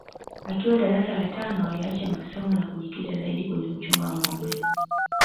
Akiwa darasa la tano aliacha masomo na kujikita zaidi kwenye kuchunga nâgombe